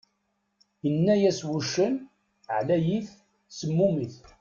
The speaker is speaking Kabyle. Inna-yas wuccen: ɛlayit, semmumit!